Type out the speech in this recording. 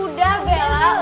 udah bella udah